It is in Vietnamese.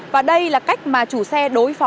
và đây là cách mà chủ xe đối phó